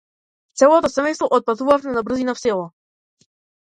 Целото семејство отпатувавме набрзина в село.